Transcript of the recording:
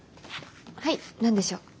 はい何でしょう？